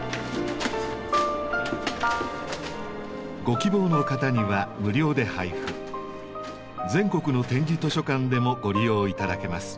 ご希望の方には無料で配布全国の点字図書館でもご利用頂けます。